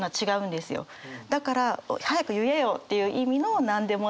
だから早く言えよっていう意味のなんでもない。